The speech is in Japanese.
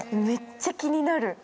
めっちゃ気になる。